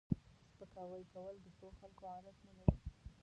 سپکاوی کول د ښو خلکو عادت نه دی